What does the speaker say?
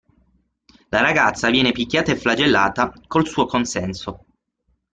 La ragazza viene picchiata e flagellata col suo consenso.